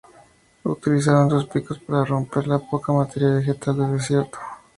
Utilizaban sus picos para romper la poca materia vegetal del desierto.